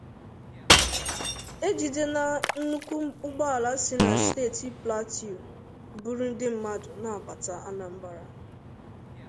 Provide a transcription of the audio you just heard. E jidela nnukwu ugboala si na steeti Plateau buru ndi mmadu na-abata Anambra.